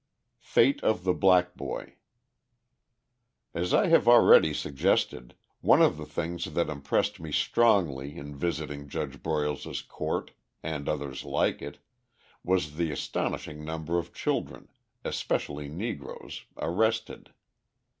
Fate of the Black Boy As I have already suggested, one of the things that impressed me strongly in visiting Judge Broyles's court and others like it was the astonishing number of children, especially Negroes, arrested.